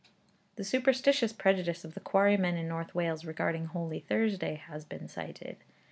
The superstitious prejudice of the quarrymen in North Wales regarding Holy Thursday has been cited.